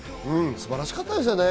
素晴らしかったですね。